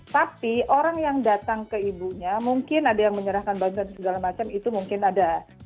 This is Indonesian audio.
tapi orang yang datang ke ibunya mungkin ada yang menyerahkan bantuan segala macam itu mungkin ada